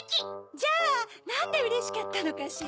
じゃあなんでうれしかったのかしら？